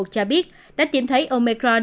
chả biết đã tìm thấy omicron